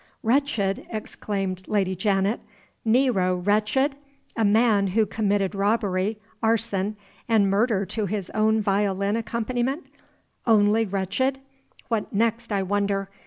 "Wretched!" exclaimed Lady Janet. "Nero wretched! A man who committed robbery, arson and murder to his own violin accompaniment only wretched! What next, I wonder?